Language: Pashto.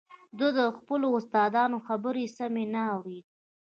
ده د خپلو استادانو خبرې سمې نه اورېدې